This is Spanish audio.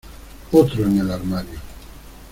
Otro en el armario.